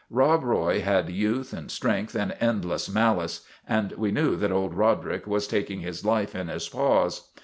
Rob Roy had youth and strength and endless malice, and we knew that old Roderick was taking his life in his paws.